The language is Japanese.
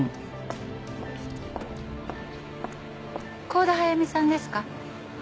幸田早芽さんですか？